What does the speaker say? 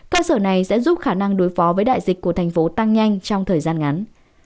cơ sở này sẽ giúp khả năng đối phó với đại dịch của thành phố tăng nhanh trong thời gian ngắn